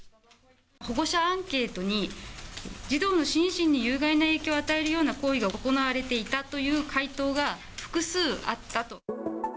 保護者アンケートに、児童の心身に有害な影響を与えるような行為が行われていたという回答が複数あったと。